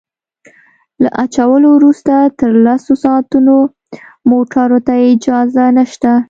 له اچولو وروسته تر لسو ساعتونو موټرو ته اجازه نشته